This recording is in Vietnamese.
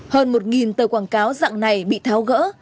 hơn một tờ quảng cáo dạng này bị tháo gỡ